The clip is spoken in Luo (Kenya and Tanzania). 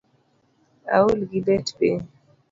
Aol gi bet piny